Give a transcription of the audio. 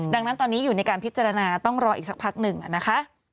ดังนั้นตอนนี้อยู่ในการพิจารณาต้องรออีกสักพักหนึ่งนะคะ